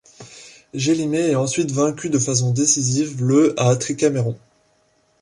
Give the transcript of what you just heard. Gélimer est ensuite vaincu de façon décisive le à Tricaméron.